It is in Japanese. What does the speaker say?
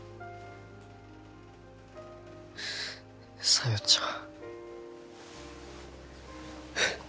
小夜ちゃん